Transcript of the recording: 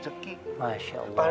tadi saya duluan